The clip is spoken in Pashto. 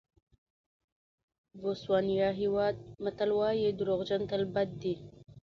بوسوانیا هېواد متل وایي دروغجن تل بد دي.